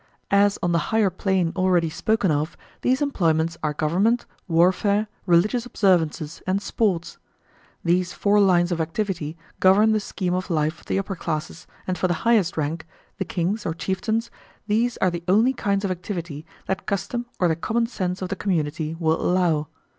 As on the higher plane already spoken of, these employments are government, warfare, religious observances, and sports. These four lines of activity govern the scheme of life of the upper classes, and for the highest rank the kings or chieftains these are the only kinds of activity that custom or the common sense of the community will allow.